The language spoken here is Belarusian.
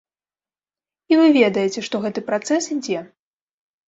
І вы ведаеце, што гэты працэс ідзе.